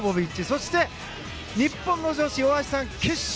そして、日本の女子の大橋さんが決勝。